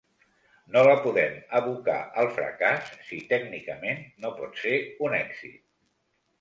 No la podem abocar al fracàs si tècnicament no pot ser un èxit.